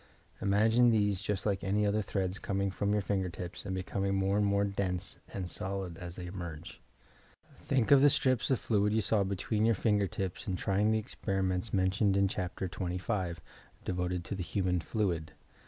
Imagine these just like any other threads coming from your finger tips and becoming more and more dense and solid aa they emerge. Think of the strips of fluid you saw between your finper tips in trying the experiments mentioned in Chapter XSV, devoted to "the human fluid."